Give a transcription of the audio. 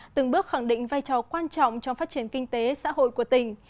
từng bước khẳng định vai trò quan trọng trong phát triển kinh tế xã hội của tỉnh